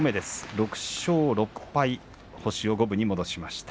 ６勝６敗、星を五分に戻しました。